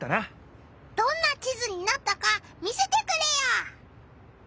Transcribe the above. どんな地図になったか見せてくれよ！